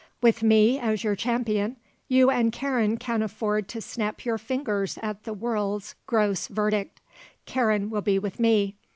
With me as your champion you and Karen can afford to snap your fingers at the world's gross verdict. Karen will be with me.